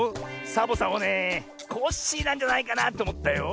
サボさんはねえコッシーなんじゃないかなっておもったよ。